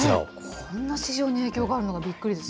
こんな市場に影響があるのがびっくりですね。